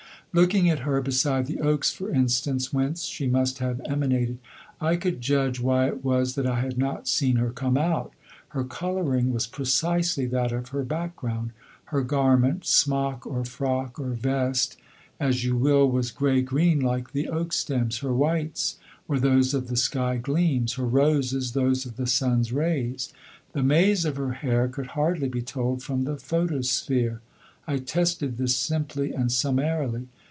Looking at her beside the oaks, for instance, whence she must have emanated, I could judge why it was that I had not seen her come out. Her colouring was precisely that of her background. Her garment, smock or frock or vest as you will, was grey green like the oak stems, her whites were those of the sky gleams, her roses those of the sun's rays. The maze of her hair could hardly be told from the photosphere. I tested this simply and summarily.